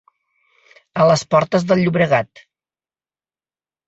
A les portes del Llobregat.